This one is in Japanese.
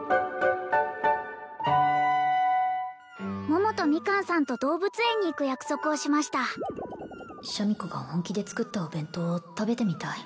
桃とミカンさんと動物園に行く約束をしましたシャミ子が本気で作ったお弁当を食べてみたい